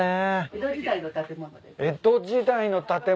江戸時代の建物。